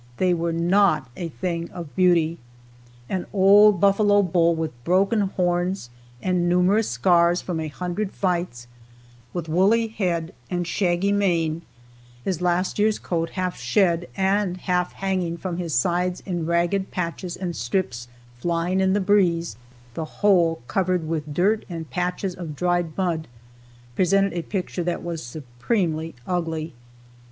They were not a thing of beauty. An old buffalo bull with broken horns and numerous scars from a hundred fights, with woolly head and shaggy mane, his last year's coat half shed and half hanging from his sides in ragged patches and strips flying in the breeze, the whole covered over with dirt and patches of dried mud, presented a picture that was supremely ugly.